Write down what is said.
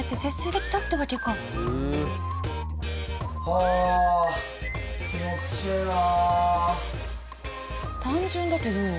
はあ気持ちええな。